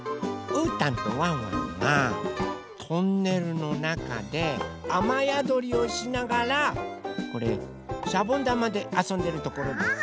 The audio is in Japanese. うーたんとワンワンがトンネルのなかであまやどりをしながらこれしゃぼんだまであそんでるところです。